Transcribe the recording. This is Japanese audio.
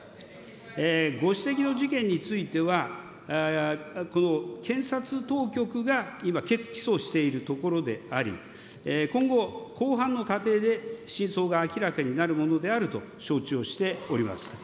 ご指摘の事件については、この検察当局が今、起訴をしているところであり、今後、公判の過程で真相が明らかになるものであると承知をしております。